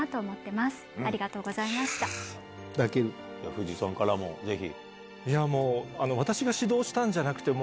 藤井さんからもぜひ。